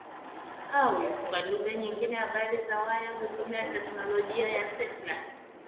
Au kwa lugha nyingine habari za waya hutumia teknolojia ya satelite